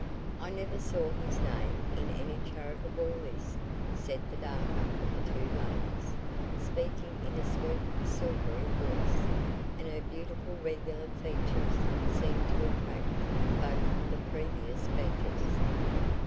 "I never saw his name in any charitable list," said the darker of the two ladies, speaking in a sweet, silvery voice; and her beautiful regular features seemed to attract both the previous speakers.